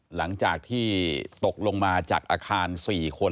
หลังจากที่ตกลงมาจากอาคาร๔คน